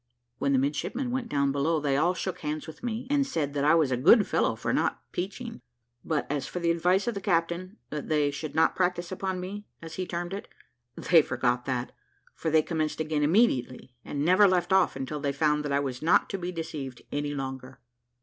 When the midshipmen went down below they all shook hands with me, and said, that I was a good fellow for not peaching: but, as for the advice of the captain, that they should not practise upon me, as he termed it, they forgot that, for they commenced again immediately, and never left off until they found that I was not to be deceived any longer.